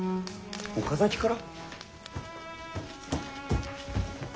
岡崎から？